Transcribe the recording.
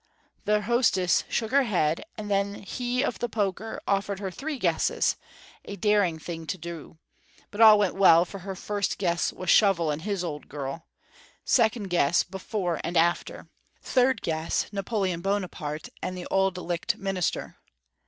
Their hostess shook her head, and then he of the poker offered her three guesses, a daring thing to do, but all went well, for her first guess was Shovel and his old girl; second guess, Before and After; third guess, Napoleon Buonaparte and the Auld Licht minister.